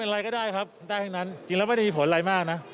อะไรก็ได้ครับได้ทั้งนั้นจริงแล้วไม่ได้มีผลอะไรมากนะ